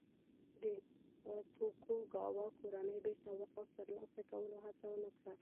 د توکوګاوا کورنۍ بېرته واک ترلاسه کولو هڅه ونه کړي.